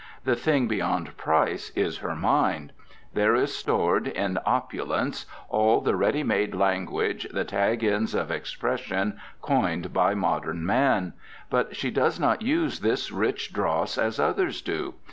The thing beyond price is her mind. There is stored, in opulence, all the ready made language, the tag ends of expression, coined by modern man. But she does not use this rich dross as others do.